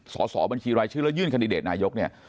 สอบบัญชีรายชื่อแล้วยื่นคันดิเดตนายกเนี่ย